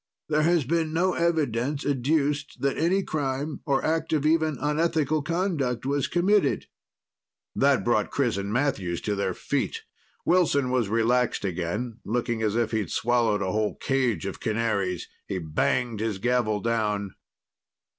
There has been no evidence adduced that any crime or act of even unethical conduct was committed." That brought Chris and Matthews to their feet. Wilson was relaxed again, looking as if he'd swallowed a whole cage of canaries. He banged his gavel down.